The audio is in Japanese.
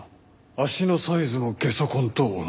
足のサイズもゲソ痕と同じ。